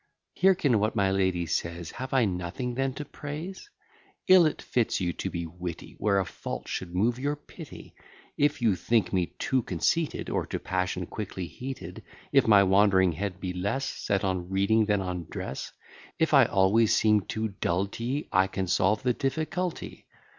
Hearken what my lady says: Have I nothing then to praise? Ill it fits you to be witty, Where a fault should move your pity. If you think me too conceited, Or to passion quickly heated; If my wandering head be less Set on reading than on dress; If I always seem too dull t'ye; I can solve the diffi culty.